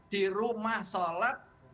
di rumah sholat